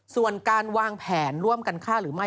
ส่วนการวางแผนร่วมกันฆ่าหรือไม่